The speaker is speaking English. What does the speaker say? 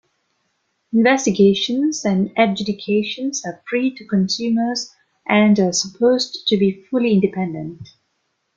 Investigations and adjudications are free to consumers and are supposed to be fully independent.